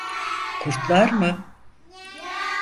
Kurtlar mı?